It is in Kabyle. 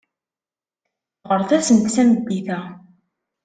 Ɣret-asent tameddit-a.